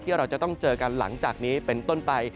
เราจะต้องเจอกันหลังจากนี้เป็นต้นไป